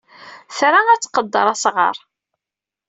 Tra ad tqedder asɣar.